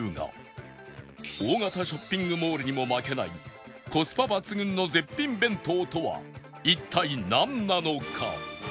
大型ショッピングモールにも負けないコスパ抜群の絶品弁当とは一体なんなのか？